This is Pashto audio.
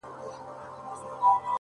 کوم زاهد په يوه لاس ورکړی ډهول دی”